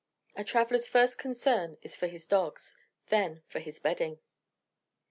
A traveller's first concern is for his dogs, then for his bedding.